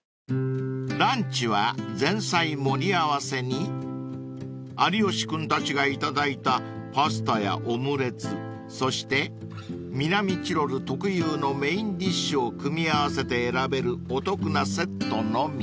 ［ランチは前菜盛り合わせに有吉君たちが頂いたパスタやオムレツそして南チロル特有のメインディッシュを組み合わせて選べるお得なセットのみ］